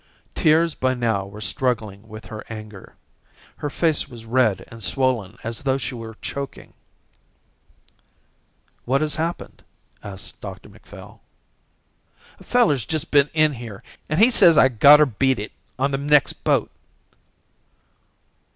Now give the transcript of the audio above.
Tears by now were struggling with her anger. Her face was red and swollen as though she were choking. "What has happened?" asked Dr Macphail. "A feller's just been in here and he says I gotter beat it on the next boat."